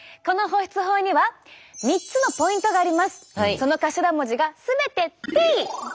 その頭文字が全てＴ！